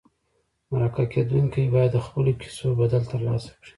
مرکه کېدونکي باید د خپلو کیسو بدل ترلاسه کړي.